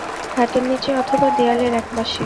খাটের নিচে, অথবা দেয়ালের এক পাশে।